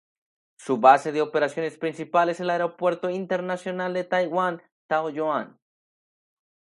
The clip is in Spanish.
Su base de operaciones principal es el Aeropuerto Internacional de Taiwán Taoyuan.